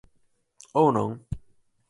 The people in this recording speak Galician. ¿Ou non?